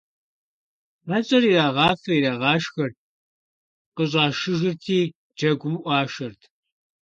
ХьэщӀэр ирагъафэ-ирагъашхэрт, къыщӀашыжырти джэгум Ӏуашэрт.